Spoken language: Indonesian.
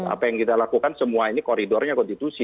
apa yang kita lakukan semua ini koridornya konstitusi